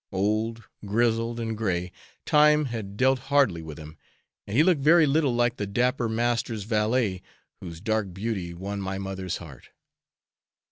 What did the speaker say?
Old, grizzled and gray, time had dealt hardly with him, and he looked very little like the dapper master's valet, whose dark beauty won my mother's heart.